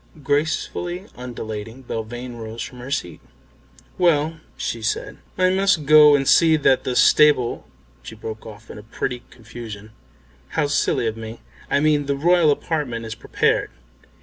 Gracefully undulating, Belvane rose from her seat. "Well," she said, "I must go and see that the stable " she broke off in a pretty confusion "How silly of me, I mean the Royal Apartment is prepared.